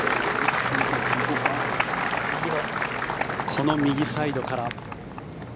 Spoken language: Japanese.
この右サイドから。